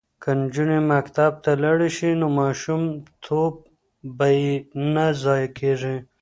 که نجونې مکتب ته لاړې شي نو ماشوم توب به یې نه ضایع کیږي.